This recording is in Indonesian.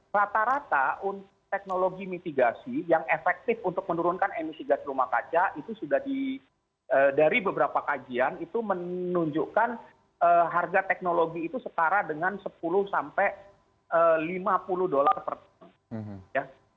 rata rata teknologi mitigasi yang efektif untuk menurunkan emisi gas rumah kaca itu sudah di dari beberapa kajian itu menunjukkan harga teknologi itu setara dengan sepuluh sampai lima puluh dolar per ton